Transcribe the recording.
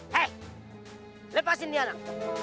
heh lepasin dia anak